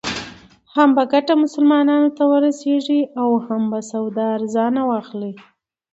هم به ګټه مسلمانانو ته ورسېږي او هم به سودا ارزانه واخلې.